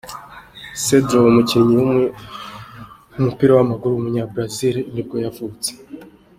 Sandro, umukinnyi w’umupira w’amaguru w’umunyabrazil nibwo yavutse.